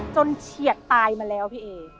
เฉียดตายมาแล้วพี่เอ